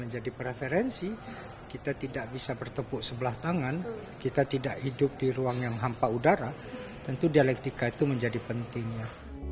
menjadi preferensi kita tidak bisa bertepuk sebelah tangan kita tidak hidup di ruang yang hampa udara tentu dialektika itu menjadi pentingnya